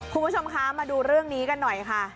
คุณผู้ชมคะมาดูเรื่องนี้กันหน่อยค่ะ